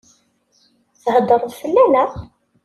Theddṛeḍ fell-aneɣ?